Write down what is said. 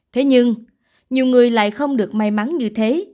thế nhưng nhiều người lại không được may mắn như thế